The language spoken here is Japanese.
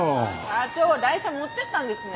社長台車持ってったんですね。